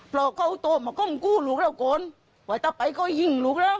หลอกเขาโตมาก้มกู้ลูกเราก่อนว่าถ้าไปก็ยิ่งลูกแล้ว